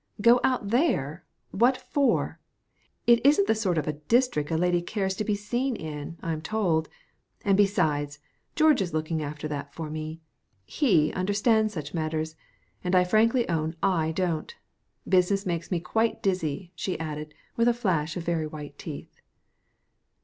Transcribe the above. "Go out there? What for? It isn't the sort of a district a lady cares to be seen in, I'm told; and, besides, George is looking after that for me. He understands such matters, and I frankly own I don't. Business makes me quite dizzy," she added with a flash of very white teeth.